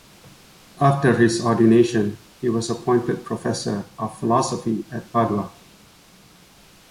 After his ordination he was appointed professor of philosophy at Padua.